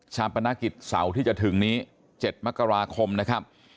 ปนกิจเสาร์ที่จะถึงนี้๗มกราคมนะครับ